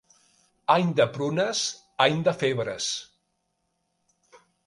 Any de prunes, any de febres.